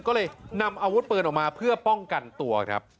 ก็เลยนำอาวุธปืนออกมาเพื่อป้องกันตัวครับ